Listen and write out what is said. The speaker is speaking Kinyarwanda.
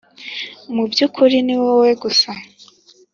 mu byukuri niwowe gusa